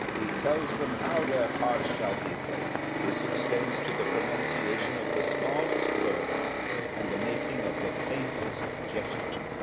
He tells them how their parts shall be played. This extends to the pronuncia tion of the smallest word and the mak ing of the faintest gesture.